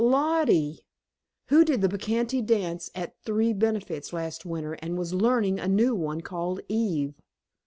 Lollie! Who did the Bacchante dance at three benefits last winter and was learning a new one called "Eve"!